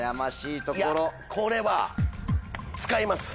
いやこれは使います！